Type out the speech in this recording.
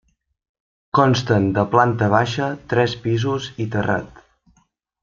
Consten de planta baixa, tres pisos i terrat.